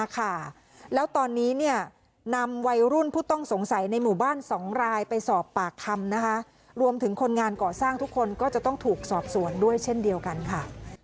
เกาะสร้างทุกคนก็จะต้องถูกสอบส่วนด้วยเช่นเดียวกันค่ะ